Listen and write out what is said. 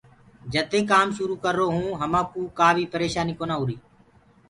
جد دي ڪآم شروُ ڪررآ هونٚ همآ ڪوُ ڪآ بيٚ پريشآنيٚ ڪونآ هوريٚ۔